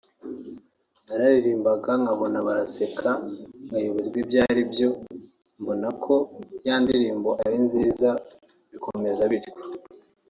nararirimbaga nkabona baraseka nkayoberwa ibyo ari byo mbona ko ya ndirimbo ari nziza bikomeza bityo”